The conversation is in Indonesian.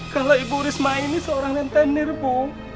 kalau ibu risma ini seorang rentenir bu